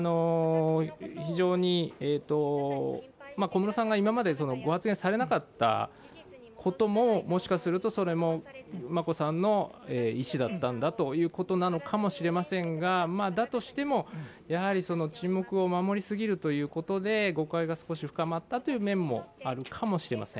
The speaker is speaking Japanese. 非常に、小室さんが今までご発言されなかったことももしかすると、それも眞子さんの意思だったんだということなのかもしれませんが、だとしても、やはり沈黙を守りすぎることで誤解が少し深まったという面もあるかもしれません。